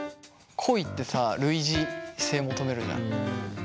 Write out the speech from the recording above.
恋ってさ類似性求めるじゃん。